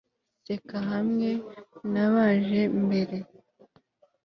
seka hamwe nabaje mbere